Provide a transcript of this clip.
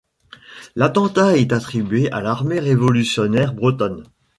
L'attentat est attribué à l'armée révolutionnaire bretonne.